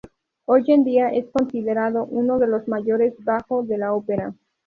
Hoy en día es considerado uno de los mayores bajo de la ópera.